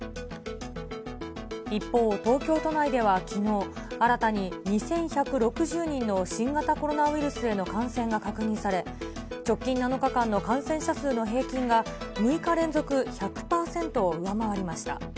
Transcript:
一方、東京都内ではきのう、新たに２１６０人の新型コロナウイルスへの感染が確認され、直近７日間の感染者数の平均が、６日連続１００％を上回りました。